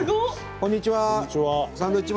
こんにちは。